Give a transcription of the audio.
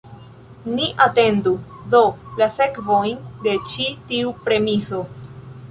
Ni atendu, do, la sekvojn de ĉi tiu premiso.